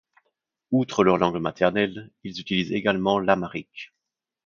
Outre leur langue maternelle, ils utilisent également l'amharique.